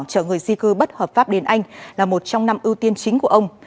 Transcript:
chở người di cư bất hợp pháp đến anh là một trong năm ưu tiên chính của ông